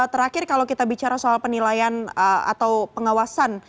terakhir kalau kita bicara soal penilaian atau pengawasan